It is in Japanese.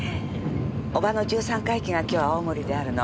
叔母の十三回忌が今日青森であるの。